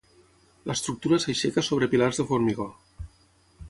L'estructura s'aixeca sobre pilars de formigó.